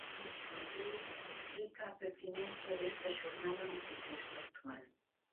Anxo Angueira explica a pertinencia desta xornada no contexto actual.